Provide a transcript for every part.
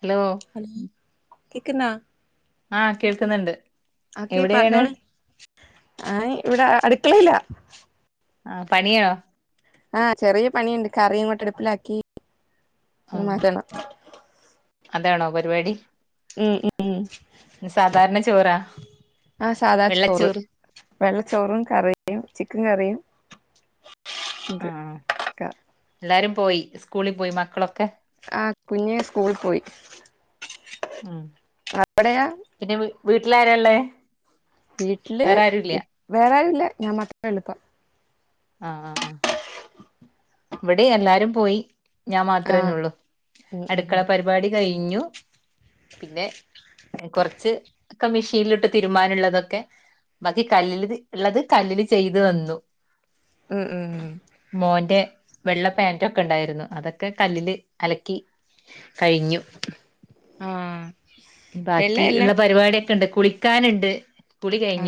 Hello hello കേക്ക്ന്നാ ആഹ് കേൾക്കുന്നുണ്ട് ഓക്കെ എവിടെയാണ് പറഞ്ഞോളി ആയ് ഇവടെ അട് [unintelligible] ആ പണിയോ ആ ചെറിയ പണിയ്ണ്ട് കറിങ്ങോട്ട് അടുപ്പിലാക്കീ ത് ആഹ് മാറ്റണം അതാണോ പരിവാടി ഉം ഉം ന്ന് സാധാരണ ചോറാ ആഹ് സാദാ ചോറ് വെള്ളച്ചോറ് വെള്ളച്ചോറും കറിയും ചിക്കൻ കറിയും ആ ഉണ്ട് എല്ലാരും പോയി സ്കൂള് പോയി മക്കളൊക്കെ ആ കുഞ്ഞ് സ്കൂളിൽ പോയി ഉം അവിടെയാ പിന്നെ വീ വീട്ടിലാ എളെ വീട്ടില് ഇ വേറെ ആരൂല്ല ഞാൻ മാത്രേ ഒള്ളുപ്പം ആ ആ ആ ഇവ്ടേ എല്ലാരും പോയി ഞാൻ ആഹ് മാത്രന്നേ ഒള്ളൂ ഉം ഉം അടുക്കള പരിപാടി കഴി ഞ്ഞു പിന്നെ കൊറച്ച് ക്കെ മിഷീനില്ട്ട് തിരുമ്പാനുള്ളതൊക്കെ ബാക്കി കല്ലില് ഉള്ളത് കല്ലില് ചെയ്ത് വന്നു ഉം ഉം ഉം വെള്ളപേന്റൊക്കെ ഇണ്ടായിരുന്നു അതൊക്കെ കല്ലില് അലക്കി കഴിഞ്ഞു ആ ബാക്കി ഇള്ള പരിപാടി കെണ്ട് കുളിക്കാന്ണ്ട് ആ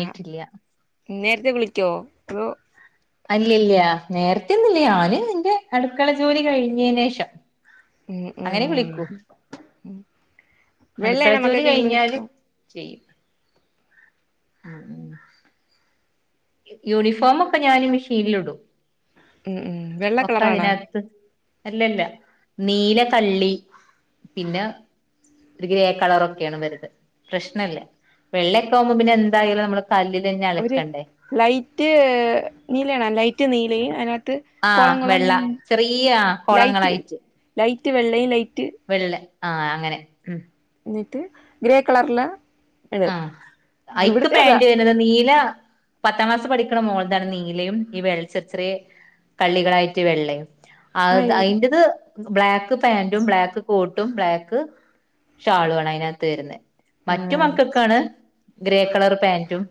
നേരത്തെ കുളിക്കോ ഓ അല്ലില്ലാ നേരത്തെന്നില്ല ഞാന് ഇന്റെ അടുക്കള ജോലി കഴിഞ്ഞീനേഷം ഉം ഉം അടുക്കള വെള്ളയാണോ ജോലി മക്കക്ക് കഴിഞ്ഞാല് യൂണിഫോം ചെയ്യും ഉം ഉം യൂണിഫോമൊക്കെ ഞാന് മിഷീലിടും ഉം ഉം വെള്ള കളറാണോ അല്ലല്ല നീല കള്ളി പിന്നെ ഗ്രേ കളറൊക്കാണ് ഇവരത് പ്രശ്നല്ല വെള്ളക്കാവുമ്പോ പിന്നെ എന്തായാലും നമ്മള് കല്ലിൽ തന്നെ ഒരു അലക്കേണ്ടേ ലൈറ്റ് നീലണ ലൈറ്റ് നീല അതിനകത്ത് കോളം ആഹ് കോളം വെള്ള ചെറിയ കോളങ്ങളായിട്ട് ത് വെള്ളലേൽ ലൈറ്റ് വെള്ളെ ആ അങ്ങനെ ഉം എന്നിട്ട് ഗ്രേ കളറില ആഹ് ഐക്ക് പാന്റ് വരുന്നത് നീല പത്താം ക്ലാസ് പഠിക്കണ മോൾടെയാണ് നീലയും ഈ വെള്ളച്ചെറേ കള്ളികളായിട്ട് വെള്ളയും ആ അത് ഇവി അയിന്റത് ബ്ലാക്ക് പാന്റും ബ്ലാക്ക് കോട്ടും ബ്ലാക്ക് ഷാളു ആണ് അതിനകത്ത് വരുന്നത് ആ മറ്റു മക്കൾക്ക് ഗ്രേ കളർ പാന്റും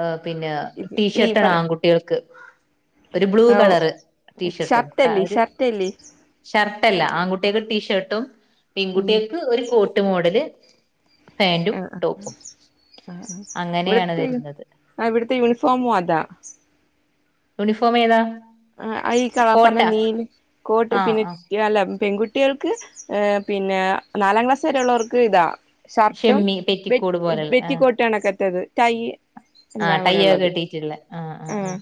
ആഹ് പിന്നെ ഇത് ഈ ടീഷർട്ട്ണ് പറ ആൺകുട്ടികൾക്ക് ഒരു ബ്ലൂ കളർ ടീഷർട്ടും ഷർട്ടല്ലേ അവര് ഷർട്ടല്ലേ ഷർട്ട് ട്ടാല്ല ആൺകുട്ടികൾക്ക് ടീഷർട്ടും ഉം പെൺകുട്ടിയക്ക് ഒരു കോട്ട എട്ട് മോഡല് പാന്റും ആ ആ ടോപ്പും അങ്ങനെയാണ് ഇവിടുത്തെ വരുന്നത് ആ ഇവിടുത്തെ യൂണിഫോമും അതാ യൂണിഫോം ഏതാ ആ ഈ കള പറഞ്ഞ കോട്ടാ നീല് കോട്ട് ആഹ് പിന്നെ ആഹ് അല്ല പെൺകുട്ടി കുട്ടികൾക്ക് ഏഹ് പിന്നെ നാലാം ക്ലാസ് വേറെയുള്ളവർക് ഇതാ ഷർട്ടും ഷെമ്മി ബെ പെറ്റിക്കോട് പോലെള്ള ബെറ്റി ആഹ് കോട്ടുകണക്കാതെത് ടൈയ് എല്ലാം കൂടെ ഉള്ളത് ആഹ്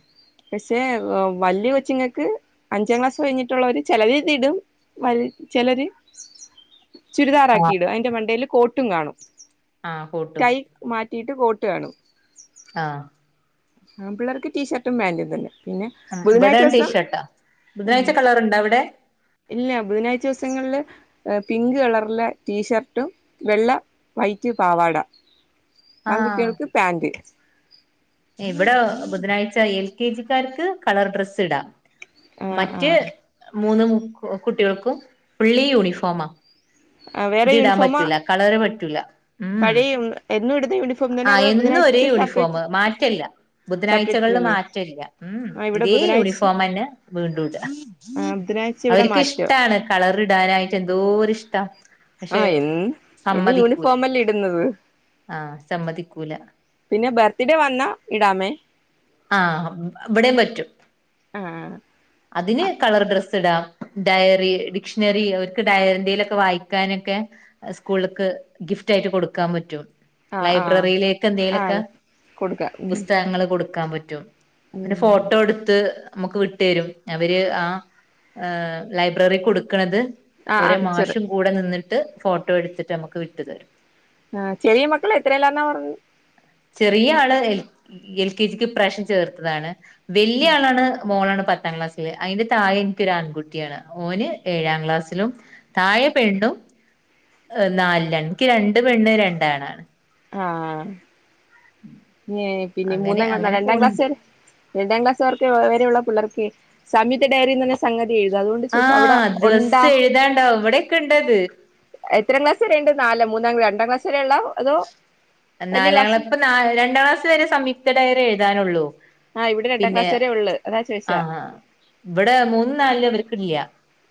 മിസ്സേ പോം വലിയ കൊച്ചിങ്ങൾക്ക് അഞ്ചാം ക്ലാസ് കഴിഞ്ഞിട്ടുള്ളവര് ചിലര് ഇത് ഇടും വലി ചിലര് ചുരിദാർ ആക്കി ആഹ് ഇടും അതിന്റെ മണ്ടയില് കോട്ടും കാണും ആഹ് കോട്ടും കൈ മാറ്റി ട്ട് കോട്ട് കാണും ആഹ് ആൺപിള്ളാർക്ക് ടീഷർട്ടും പാന്റും തന്നെ ആഹ് ഇവിടെ ടീഷർട്ടാ ഉം ബുധനാഴ്ച കളറുണ്ടോ അവിടെ ഇല്ല ബുധനാഴ്ച ദിവസങ്ങളില് പിങ്ക് കളറിലെ ടീഷർട്ടും വെള്ള വൈറ്റ് പാവാട! ആഹ് ആൺകുട്ടികൾക്ക് പാന്റ് ഇവിടെ ബുധനാഴ്ച എൽ കെ ജിക്കാർക്ക് കളർ ഡ്രസ്സ് ഇടാം മറ്റ് മൂന്ന് [unintelligible] കുട്ടികൾക്കും ഫുള്ളി യൂണിഫോമാ വേറെ ഇത് ഇടാൻ യൂണിഫോമാ പറ്റൂല്ല കളർ [inaudible] [inaudible] റ്റൂല ഉം പഴയ എന്നും ഇടുന്ന യൂണിഫോം തന്നെ അ അതോ എന്നും ഒരേ ബുധനാഴ്ച യൂണിഫോം സെപ്പറേറ്റ് മാറ്റല്ല ബുധനാഴ്ചകളില് സെപ്പറേറ്റ്ല്ലേ മാറ്റല്ല ഉം ആ ഇവിടെ ഇതേ ബുധനാഴ്ച യൂണിഫോം തന്നെ വീണ്ടുംഇട. ആ ബുധനാഴ്ച ഇവിടെ മാറ്റം അവർക്ക്ഇഷ്ടാണ് കളർ ഇടാനായിട്ട് എന്തോര് ഇഷ്ടാ ആ പക്ഷെ എ എന്ന് യൂണിഫോം അല്ലേ ഇടുന്നത് ആ സമ്മതിക്കൂല [unintelligible] വന്നാ ഇടാമേ ആ ഇവിടെയും പറ്റും ആ അതിന് കളർ ഡ്രെസ്സ് ഇടാം ഡയറി ഡിക്ഷണറി അവർക്ക് ഡയറി. [inaudible] ലൊക്കെ വായിക്കാനൊക്കെ സ്കൂളിലക്ക് ഗിഫ്റ്റായിട്ട് കൊടുക്കാൻ പറ്റും ആ ആ ൽ ക്കാൻ ആ കൊടുക്കാം ഉം പറ്റും പിന്നെ ഉം ഫോട്ടോ എടുത്ത് നമുക്ക് വിട്ടു തരും അവര് ആ ലൈബ്രറി കൊടുക്കണത് ആ ആ ഓരെ പിക്ചർ മാഷും കൂടെ നിന്നിട്ട് ട്ട് ഫോട്ടോ എടുത്തിട്ട് നമുക്ക് വിട്ടു തരും ആ ചെറിയ മക്കള എത്രല്ലാർന്നാ പറഞ്ഞ് ചെറിയ ആള് എൽ എൽ കെ ജിക്ക് ഇ പ്രാവിശ്യം ചേർത്തതാണ് വലിയ ആളാണ് മോളാണ് പത്താം ക്ലാസ്സില് അതിന്റെ താഴെ എനിക്ക് ഒരു ആൺകുട്ടിയാണ് ഓന് ഏഴാം ക്ലാസ്സിലും താഴെ പെണ്ണും നാലി ലാണ് എനിക്ക് രണ്ട് പെണ്ണും രണ്ട് ആണാണ് ആ ഏ പിന്നെ അങ്ങനെ മൂന്നാം അങ്ങനെ രണ്ടാം പോണണ്ട് ക്ലാസ് രണ്ടാം ക്ലാസ് വർക്ക് വരെയുള്ള പിള്ളർക്ക് സമയത്തെ ഡയറി എന്ന സംഗതി [unintelligible] ആ ചോദിച്ച അവിടെ ഉണ്ടാ ദിവസ്സം എഴുതാണ്ടാകും ഇ വിടെക്കെണ്ടത്. എത്രാം ക്ലാസ്സ്‌ വരെണ്ട് നാലോ [unintelligible] ക്ലാസ് വരെ ഉള്ള അതോ വലിയ നാലാം ക്ലാസ് ക്ലാസ്സ്‌ ഇപ്പ [unintelligible] രണ്ടാം ക്ലാസ്സ് വരേ സംയുക്ത ഡയറി [inaudible] ഇടാനുള്ളൂ ആ ഇവിടെ രണ്ടാം ക്ലാസ് വരെ ഉള്ളു [inaudible] ആഹ് ഇവടെ മൂന്നും നാലിലാ ഇവര് ഇല്ല്യ.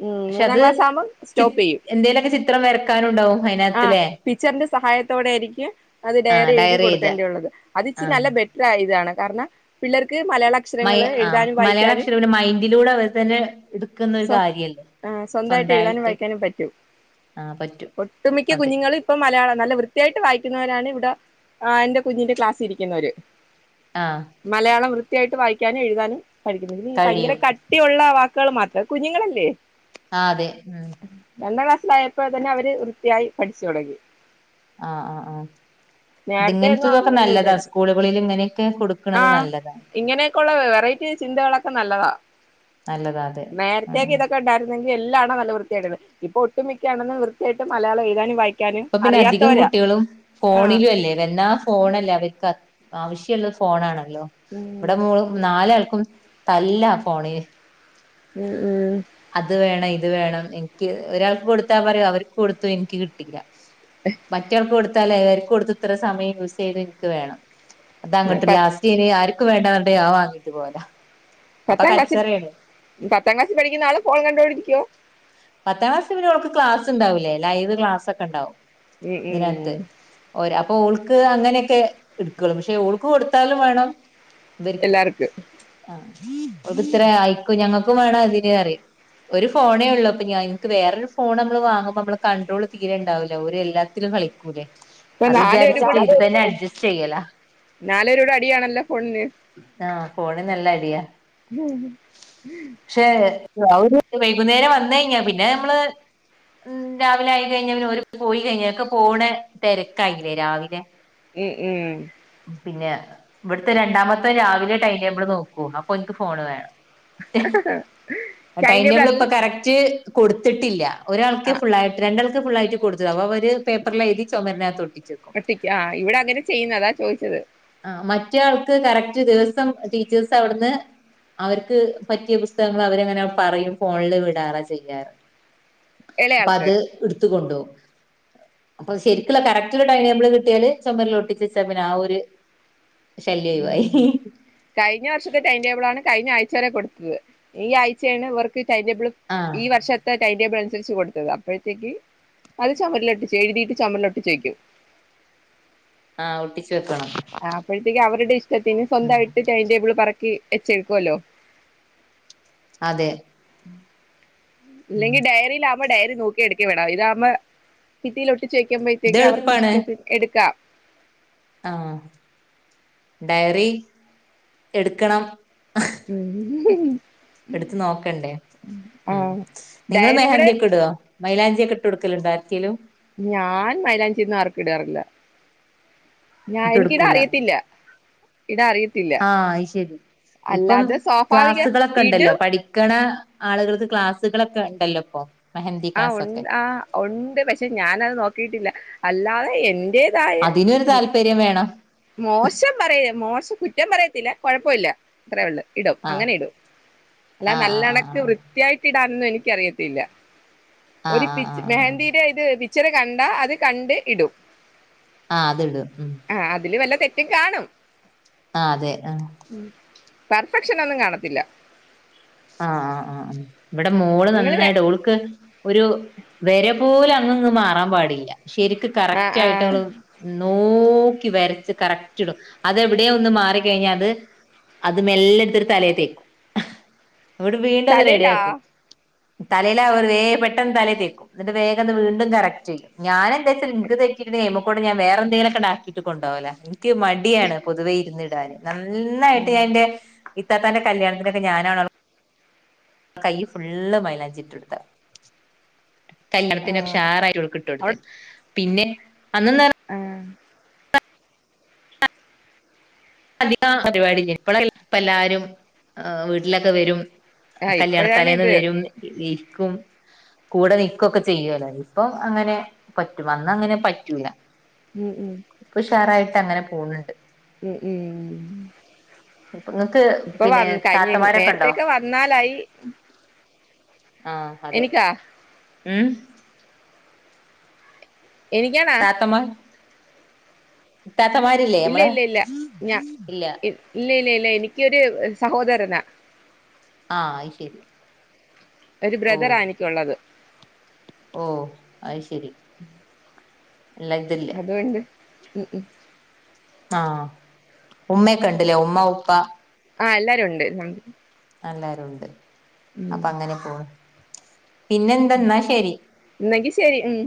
ഉം മൂന്നാംക്ലാസാവ്മ്പം സ്റ്റോപ്പിയ്യും എന്തേലൊക്കെ ചിത്രം വരക്കാനുണ്ടാവും ആ അതിനകത്തിലെ പിച്ചറിന്റെ സഹായത്തോടൊയിരിക്കും അത് ആഹ് ഡയറി എഴുതി എഴുതാൻ കൊടുക്കേണ്ടിയുള്ളത് അത്ച്ചി നല്ല ബെറ്റർ ആയ്താണ്. കാരണ പിള്ളേർക്ക് മലയാള അക്ഷരങ്ങൾ മയ എഴുതാനും മലയാള വായിക്കാനും അക്ഷരം മൈൻഡിലൂടെ അവർ തന്നെ എടുക്കുന്നൊരു കാര്യം ആ സ്വന്തായിട്ട് എഴുതാനും വായിക്കാനും പറ്റും ആഹ് പറ്റും അതെ കേട്ട് വായിക്കുന്നവരാണ് ഇവിടെ എൻ്റെ കുഞ്ഞിൻൺന്റെ ക്ലാസ്സിൽ ഇരിക്കുന്നോര് ആഹ് മലയാളം വൃ വൃത്യായിട്ട് വായ്ക്കാനും എഴുതാനും പഠിക്കുന്നത് ഇനി പയങ്കര കഴിയും കട്ടി ഒള്ള വാക് പുക്കൾ മാത്രാ കുഞ്ഞുങ്ങളല്ലേ? ആഹ് അതെ ഉം ളായപ്പോ തന്നെ അവര് വൃത്തിയായി പഠിച്ച് തൊടങ്ങി ആഹ് ആഹ് ആഹ് നേരത്തെയൊന്നും ഇതിങ്ങനതൊക്കെ അങ്ങനെയൊന്നും നല്ലതാ ഇല്ലായിരുന്നു സ്കൂളുകളിൽ ഇങ്ങനൊക്കെ കൊടുക്കുന്നത് ആഹ് നല്ലതാ ഇങ്ങനെയൊക്കെയുള്ള വെറൈറ്റി ചിന്തകളൊക്കെ നല്ലതാ നല്ലതാ അതേ ലങ്കി എല്ലാണ്ണോം നല്ല വൃത്തിയായിട്ട് എഴുതും ഇപ്പൊ ഒട്ടുമിക്ക അണെന്നും വൃത്തിയായിട്ട് മലയാളംഎഴുതാനും വായിക്ക അപ്പൊ പിന്നെ അധികം കുട്ടികളും ആഹ് ഫോണിലും അല്ലേ വല്ലാ ഫോണല്ലേ അവർക്ക് ആവശിള്ളത് ഫോണാണ് ല്ലോ ഉം ഇവിടെ മോള് നാലാൾക്കും തല്ലാ ഫോണിന് ഉം ഉം അത് വേണം ഇത് വേണം നിക്ക് ഒരാൾക്ക് കൊടുത്താ പറയും അവർക്ക് കൊടുത്തു എനിക്ക് കിട്ടീല്ല. മറ്റെ ആൾക്ക് കൊടുത്താലേ കൊടുത്തത്ര സമയം യൂസെയ്ത് ൻക്ക് വേണം അതങ്ങാട്ട് ലാസ്റ്റ് ഇനി ആരും ക്കും വേണ്ടന്നറിഞിട്ട് ഞാ വാങ്ങീട്ട് പോവല പത്താം ക്ലാസ്സിൽ പത്താം ക്ലാസ്സിൽ പഠിക്കുന്ന ആള് ഫോൺ കണ്ടോണ്ടിരിക്കുവോ പത്താം ക്ലാസ് പിന്നെ ഓൾക്ക് ക്ലാസ്ണ്ടാവില്ലേ ലൈവ് ക്ലാസ് ഉം ഇതിനകത്ത് ഉം ഒര ഓൾക്ക് അങ്ങനെയൊക്കെ ഇട്ക്കൊള്ളൂ പക്ഷെ ഓൾക്ക് കൊടുത്താലും വേണം ഇവെര്ക്ക് എല്ലാവർക്കും ആഹ് ഇവക്കിത്ര ആയിക്കും ഞങ്ങക്കും വേണം അതിന് റിയു ഒരു ഫോണേ ഒള്ളൂ അ ഞാ ൻക്ക് വേറൊരു ഫോൺ മ്മള് വാങ്ങുമ്പോ നമ്മ കട്രോൾ തീരേണ്ടാവൂല്ല ഒരെല്ലാത്തിലും കളിക്കൂലേ ഇപ്പൊ അത് നാലുപേരും വിചാരിച്ചിട്ട് കൂടെ ഇതന്നെ അഡ്ജസ്റ്റ് ചെയ്യല നാലുപേരും കൂടെ അടിയാണല്ലോ ഫോണിന് ആഹ് ഫോണിനല്ല അടിയാ ക്ഷേ വൈകുന്നേരം വന്ന വന്നഴിഞ്ഞാ പിന്നെ നമ്മള് രാവിലെ ആയി കഴിഞ്ഞാ പിന്നെ ഒര് പോയി കഴിഞ്ഞക്കെ പോണ തെരക്കായില്ലേ രാവിലെ ഉം ഉം പിന്നെ വ്ട്ത്തെ രണ്ടാമത്തോൻ രാവിലെ ടൈം ടേബിള് നോക്കു അപ്പൊ ഓന്ക്ക് ഫോണ് വേണം ടൈം ടേബിൾ ടേബിള് പ്പൊ അല്ല കറക് ക്ക് കൊടുത്തിട്ടില്ല ഒരാൾക്കെ ആ ഫുള്ളായിട്ട് രണ്ടാള് ക്ക് ഫുള്ളായിട്ട് കൊടുത്തതാ അവര് പേപ്പറിലെഴുതി ചൊമരിനകത്തൊട്ടി ഒട്ടിക്ക് ആ ഇവിടെ അങ്ങനാ ചെയ്യുന്നെ അതാ ചോദിച്ചത് ആ മറ്റയാൾക്ക് കറക്റ്റ് ദിവസം ടീച്ചേഴ്സ് അവ്ട്ന്ന് അവർക്ക് പറ്റിയ പുസ്തകങ്ങള് അവരങ്ങനെ പറയും ഫോണില് വിടാറാ ചെയ്യാറ് അപ്പൊ ഇളയാൾക്ക് അത് ഇടുത്ത് കൊണ്ടോവും അപ്പൊ ശരിക്ക്ള്ള കറക്റ്റ്ള്ള ടൈം ടേബിള് കിട്ടിയാല് ചൊമരിലൊട്ടിചെച്ചാ പിന്നെ ആ ഒര് ശല്യഒയിവായി ഞ്ഞവർഷത്തെ ടൈം ടേബിളാണ് കഴിഞ്ഞ ആഴ്ച വരെ കൊടുത്തത് ഈ ആഴ്ചേണ് ഇവർക്ക് ടൈം ടേബിള് ആഹ് ഈ വർഷത്തെ ടൈം ടേബിളന് രിച്ച് കൊടുത്തത് അപ്പഴത്തേക്ക് അത് ചൊമരിലൊട്ടിച്ച് എഴുതിട്ട് ചൊമരിലൊട്ടിച്ചേക്കും ആ ഒട്ടിച്ച് വെക്കണം ആ അപ്പഴത്തേക്ക് അവരുടെ ഇഷ് ട്ടത്തിന് ഉം സ്വന്തായിട്ട് ടൈം ടേബിള് പറ ക്കി എച്ചെടുക്കുവല്ലോ അതെ ഉം ഇല്ലെങ്കി ഡയറിലാവുമ്പോ ഡയറി നോക്കി എടുക്കേ വേണം ഇതാവുമ്പ ഭിത്തിലൊ ഇത് ട്ടിചെക്കുമ്പയ്ത്തേക്കും അവർക്കിഷ്ടത്തിന് എടുക്കാം ആ ഡയറി എടുക്കണം [inaudible] എടുത്ത് നോക്കണ്ടേ ഉം ആഹ് നിങ്ങള് ഡയറി ഇവിടെ മേഹന്തി ഒക്കെ ഇടൊ? മൈലാചിയൊക്കെ ട്ട്ടുക്കലുണ്ടോ ആർക്കേലും ഞാൻ മൈലാഞ്ചിന്നും ആർക്കുടാറില്ല ഞാ എനിക്കിടാ അറിയത്തില്ല ഇടാൻ അറിയത്തില്ല ആ അയ് ശരി ഇപ്പം അല്ലാതെ സ്വാഭാവിക ക്ലാസ്സുകളക്ക ഇണ്ടല്ലോ ഇടും പഠിക്കണ ആളുകൾക്ക് ക്ലാസ്സുകളക്ക ഇണ്ടല്ലോ ഇപ്പൊ മെഹന്തി ആ ഉ ക്ലാസ്സൊക്കെ ആ ഉണ്ട് പക്ഷെ ഞാനത് നോക്കിട്ടില്ല അല്ലാതെ എൻ റ്റേതായ അതിനൊരു മോ താല്പര്യം വേണം മോശം പറയ മോശ കുറ്റം പറയ ത്തില്ല കുഴപ്പൊല്ല ത്രേ ഉള്ളോ ഇടും ആഹ് അങ്ങനെ ഇടും അല്ല ആഹ് ആഹ് നല്ലണക്ക് വൃത്യായിട്ട് ഇ ടാനൊന്നും എനിക്കറിയത്തില്ല. ആഹ് ഒരു ആഹ് ആഹ് ആഹ് ആഹ് മെഹന്ദിടെ ഇത്. ഇച്ചിര കണ്ടാ അത് കണ്ട് ഇടും. ആഹ് അതിട് ഉം. സെറ്റും കാണും. ആഹ് അതെ ആഹ്. പെർഫെക്ഷനൊന്നും കാണത്തില്ല. ആഹ് ആഹ് ആഹ് ആ. ഇവിടെ മോള് നിങ്ങള് വേ- നന്നായിട്ട് ഓൾക്ക് ഒരു വരെ പോലും അങ്ങിങ്ങു മാറാൻ പാടില്ല. ശരിക്ക് ആ കറക്റ്റ് ആ ആയിട്ട് നോ ഓക്കി വരച്ച് കറക്റ്റ് ഇടും. അതെവിടെയോ ഒന്ന് മാറിക്കഴിഞ്ഞാ അത് അത് മെല്ല ഇടുത്തൊരു തലയെ തേക്കും. ഇവിടെ വീണ്ടത് തലയിലാ റെഡിയാക്കും. തലേലാവേ പെട്ടന്ന് തലേതേക്കും ന്നിട്ട് വേഗം അത്‌ വീണ്ടും കറക്ട് ചെയ്യും ഞാനെന്തേച്ചൽ ൻക്ക് തെറ്റിട്ട്ണ്ടേഅയ്മക്കൂടെ വേറെന്തങ്കിലുമാക്കെണ്ടാക്കിട്ട് കൊണ്ടോകലാ ക്ക് മടിയാണ് പൊതുവേ ഇരുന്നിടാന് ആ നന്നായിട്ട് ഞാൻ എന്റെ ഇത്താത്താന്റെ കല്ല്യാണത്തിനൊക്കെ ഞാനാണോൾ കയ്യ് ഫുള്ള് മൈലാഞ്ചി ഇട്ടൊടുത്ത ആ കല്ല്യാണത്തിന് ഉഷാറായിട്ട് ഓൾക്ക് അവിടെ ഇട്ടൊട്ത്തീന്ന് പിന്നെ അന്ന്ന്നാൽ ആ അതികാ ആ പരിപാടി ഇല്ല്യായ്ന്നു ഇപ്പള ഇപ്പ എല്ലാരും വീട്ടിലൊക്കെ വരും ആ ഇപ്പോഴാണ് കല്ല്യാണത്തലേന്ന് ഇത് വരും ഇര്ക്കും കൂടെ നിക്കൊക്കെ ചെയ്യോലൊ ഇപ്പൊ അങ്ങനെ പറ്റും അന്നങ്ങനെ പറ്റൂല ഉം ഉം ഇപ്പൊഷാറായിട്ട് ട്ടങ്ങനെ പോൺണ്ട് ഉം ഉം ഇപ്പൊ ഇങ്ങക്ക് ഇപ്പൊ വ പിന്നെ കഴിഞ്ഞ താത്തമാരൊക്കെ ഉണ്ടോ നേരത്തേക്കെ വന്നാലായി ആഹ് അതെ എനിക്കാ ഉം എനിക്കാണാ താത്തമാർ താത്തമാരില്ലേ ഇല്ല നമ്മളെ ഇല്ല ഇല്ല ഇല്ല ല്ല എനിക്കൊരു സഹോദരനാ ആ അയ്ശരി ഒരു ബ്രദർ ആ എനിക്കുള്ളത് ഓ ആയി ശരി എല്ലാ ഇതില്ല അതുകൊണ്ട് ഉം ഉം ആഹ് ഉമ്മയൊക്കെ ഉണ്ടല്ലേ ഉമ്മ ഉപ്പ ആ എല്ലാരും ഉണ്ട് ഉം എല്ലരും ഉണ്ട് അപ്പൊ അങ്ങനെ പോണ് പിന്നെന്താ എന്നാ ശരി എന്നകി ശെരി ഉം